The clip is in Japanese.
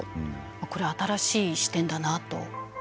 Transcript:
これ新しい視点だなと。